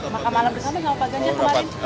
makan malam bersama sama pak ganjar kemarin